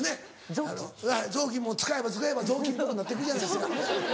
雑巾も使えば使えば雑巾っぽくなってくじゃないですか。